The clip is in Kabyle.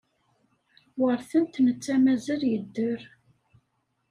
Weṛten-t netta mazal yedder.